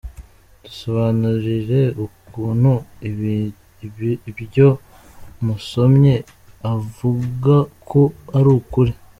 Dusobanurire ukuntu ibyo wasomye uvuga ko ari ukuri?